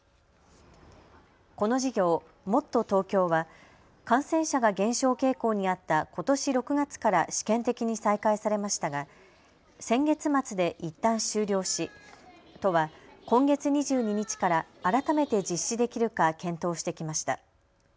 この事業、もっとＴｏｋｙｏは感染者が減少傾向にあった、ことし６月から試験的に再開されましたが、先月末でいったん終了し都は今月２２日から改めて実施できるか検討してきました。